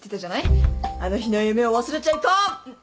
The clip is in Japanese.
あの日の夢を忘れちゃいかん。